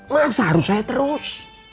masa harus saya terus